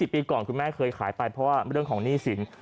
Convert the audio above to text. ปีก่อนคุณแม่เคยขายไปเพราะว่าเรื่องของหนี้สิน